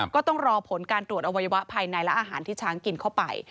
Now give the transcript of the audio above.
ก็ต้องรอผลการตรวจอวัยวะภายในและอาหารที่ช้างกินเข้าไป